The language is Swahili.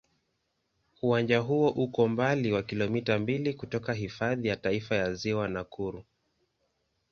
Uwanja huo uko umbali wa kilomita mbili kutoka Hifadhi ya Taifa ya Ziwa Nakuru.